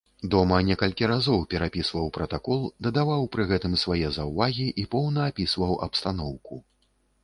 Дома некалькі разоў перапісваў пратакол, дадаваў пры гэтым свае заўвагі і поўна апісваў абстаноўку.